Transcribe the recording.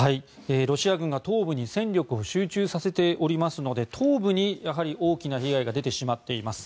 ロシア軍が東部に戦力を集中させておりますので東部にやはり大きな被害が出てしまっています。